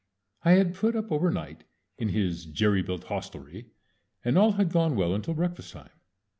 I had put up overnight in his jerry built hostelry, and all had gone well until breakfast time.